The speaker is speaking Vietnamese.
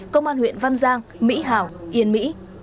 công an huyện văn giang mỹ hảo yên mỹ